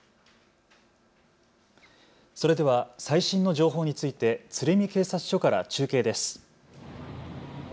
それでは最新の情報について鶴見警察署から中継です。